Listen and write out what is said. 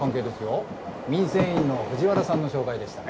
民生委員の藤原さんの紹介でしたね。